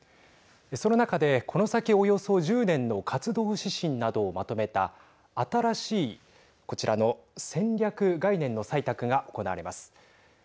その中で、この先およそ１０年の活動指針などをまとめた新しい、こちらの戦略概念の採択が行われます。